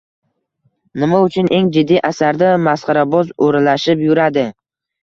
Nima uchun eng jiddiy asarda masxaraboz o’ralashib yuradi?